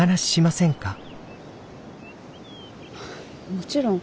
もちろん。